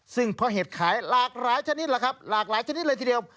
ซึ่งเพราะเห็ดขายหลากหลายชนิดแหละครับหลากหลายชนิดเลยทีเดียว